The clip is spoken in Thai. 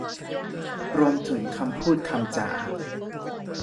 รวมถึงคำพูดคำจา